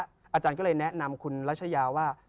อาจารย์ก็เลยแนะนำคุณรัชยาว่า